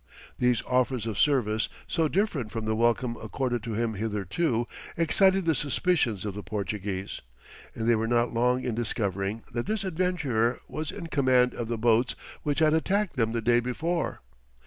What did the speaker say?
These offers of service, so different from the welcome accorded to them hitherto, excited the suspicions of the Portuguese, and they were not long in discovering that this adventurer was in command of the boats which had attacked them the day before.